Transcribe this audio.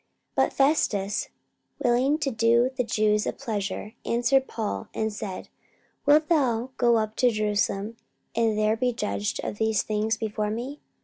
44:025:009 But Festus, willing to do the Jews a pleasure, answered Paul, and said, Wilt thou go up to Jerusalem, and there be judged of these things before me?